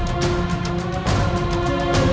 sakit pun tidak mungkin